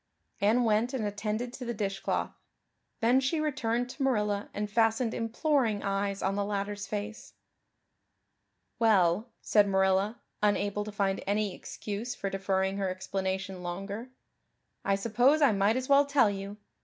Anne went and attended to the dishcloth. Then she returned to Marilla and fastened imploring eyes of the latter's face. "Well," said Marilla, unable to find any excuse for deferring her explanation longer, "I suppose I might as well tell you.